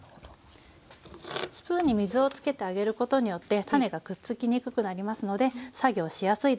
スプーンに水を付けてあげることによってタネがくっつきにくくなりますので作業しやいです。